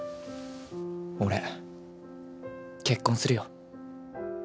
俺結婚するよ。